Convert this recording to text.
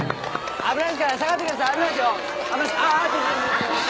危ない！